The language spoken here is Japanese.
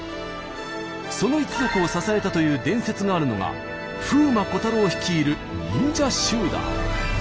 その一族を支えたという伝説があるのが風魔小太郎率いる忍者集団。